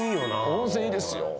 温泉いいですよ。